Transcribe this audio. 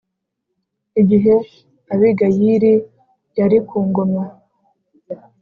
Igihe Abigayili yari ku ngoma